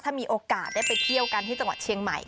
ถ้ามีโอกาสได้ไปเที่ยวกันที่จังหวัดเชียงใหม่